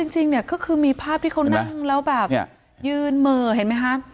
จริงเนี่ยก็คือมีภาพที่เขานั่งแล้วแบบยืนเหม่อเห็นไหมคะ